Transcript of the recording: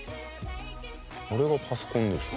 あれがパソコンでしょ？